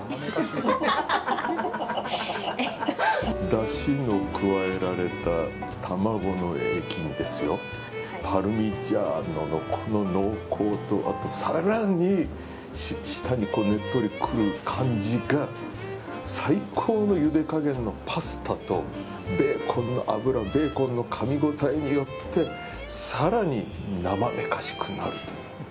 だしの加えられた卵の液にパルミジャーノの、この濃厚とあと更に舌にねっとりくる感じが最高のゆで加減のパスタとベーコンの脂ベーコンのかみ応えによって更になまめかしくなるという。